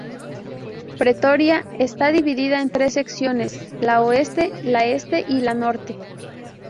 Pretoria está dividida en tres secciones: la oeste, la este y la norte.